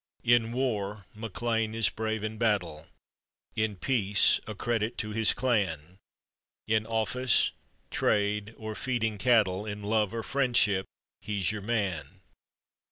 In war, MacLean is brave in battle ! In peace, a credit to his clan ! In office, trade, or feeding cattle, In love, or friendship, he's your man.